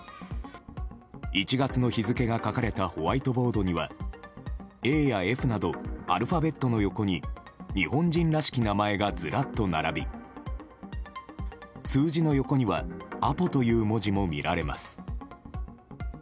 １月の日付が書かれたホワイトボードには「Ａ」や「Ｆ」などアルファベットの横に日本人らしき名前がずらっと並び、数字の横には「アポ」という文字も見られます。